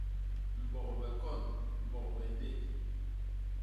Mbogbe kon; mbogbe ndéñg.